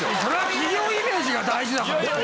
企業イメージが大事だから。